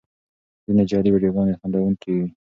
ځینې جعلي ویډیوګانې خندوونکې وي.